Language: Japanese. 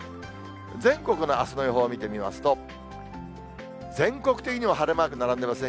全国のあすの予報見てみますと、全国的には晴れマーク並んでいますね。